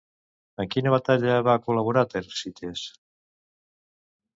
En quina batalla va col·laborar Tersites?